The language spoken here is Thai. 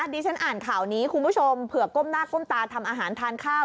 ดิฉันอ่านข่าวนี้คุณผู้ชมเผื่อก้มหน้าก้มตาทำอาหารทานข้าว